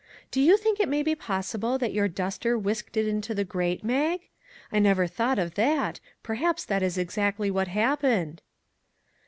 Do you think it may be possible that your duster whisked it into the grate, Mag? I never thought of that; perhaps that is exactly what happened."